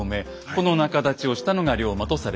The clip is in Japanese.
この仲立ちをしたのが龍馬とされてきました。